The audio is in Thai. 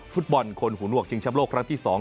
ฟุตบอลคนหูหนวกชิงช้ำโลกครั้งที่๒